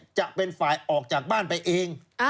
จะเป็นฝ่ายออกจากบ้านไปเอง